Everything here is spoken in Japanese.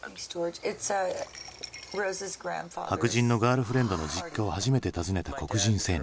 白人のガールフレンドの実家を初めて訪ねた黒人青年。